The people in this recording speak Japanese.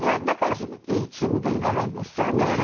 だからいいチームでいられるんですよね。